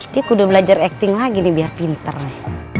dia udah belajar acting lagi nih biar pinter nih